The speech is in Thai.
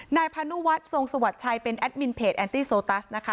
นายพานุวัฒน์ทรงสวัสดิ์ชัยเป็นแอดมินเพจแอนตี้โซตัสนะคะ